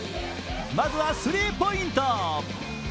まずは、スリーポイント。